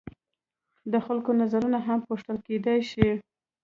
د خلکو نظرونه هم پوښتل کیدای شي.